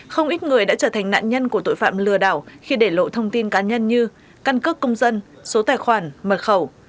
không ít người đã trở thành nạn nhân của tội phạm lừa đảo khi để lộ thông tin cá nhân như căn cước công dân số tài khoản mật khẩu